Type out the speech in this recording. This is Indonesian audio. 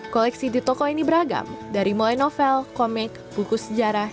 koleksi di toko ini beragam dari mulai novel komik buku sejarah